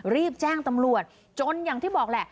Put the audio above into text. รีบแจ้งตำรวจจนอย่างที่บอกแหละ